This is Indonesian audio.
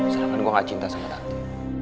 sedangkan gue gak cinta sama hati